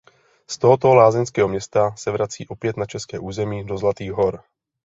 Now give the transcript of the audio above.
Z tohoto lázeňského města se vrací opět na české území do Zlatých Hor.